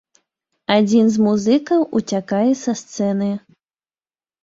Адзін з музыкаў уцякае са сцэны.